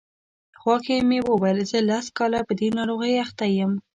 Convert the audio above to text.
خواښې مې وویل زه لس کاله په دې ناروغۍ اخته یم.